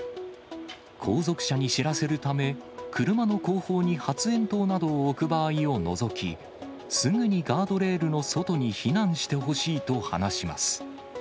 後続車に知らせるため、車の後方に発煙筒などを置く場合を除き、すぐにガードレールの外に避難してほしいと話します。